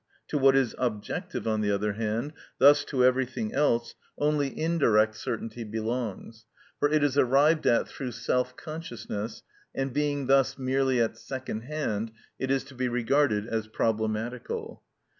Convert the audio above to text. To what is objective, on the other hand, thus to everything else, only indirect certainty belongs; for it is arrived at through self consciousness; and being thus merely at second hand, it is to be regarded as problematical.